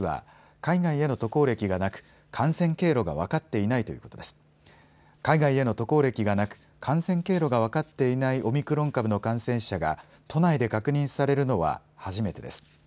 海外への渡航歴がなく感染経路が分かっていないオミクロン株の感染者が都内で確認されるのは初めてです。